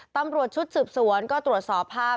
ตำรวจชุดสืบสวนก็ตรวจสอบภาพ